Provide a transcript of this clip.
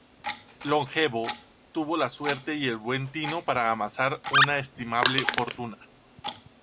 Longevo, tuvo la suerte y el buen tino para amasar una estimable fortuna.